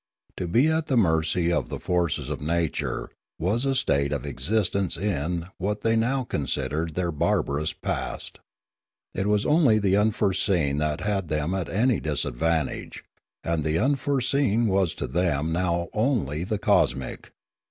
To be at the mercy of the forces of nature was a state of existence in what they now considered their barbarous past. It was only the unforeseen that had them at a disadvantage; and the unforeseen was to them now only the cosmic.